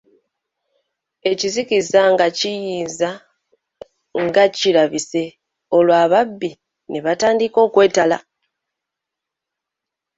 Ekizikiza nga kinyiiza nga kirabise, olwo ababi ne batandika okwetala.